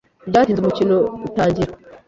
Ntibyatinze umukino utangira.